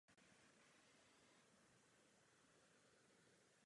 Nikde v Evropě nenesou faktickou odpovědnost.